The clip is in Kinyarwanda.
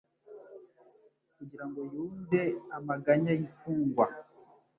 kugira ngo yumve amaganya y’imfungwa